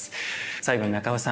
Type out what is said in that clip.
最後に中尾さん